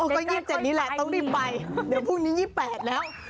ก็๒๗นี่แหละต้องรีบไปเดี๋ยวพรุ่งนี้๒๘แล้ว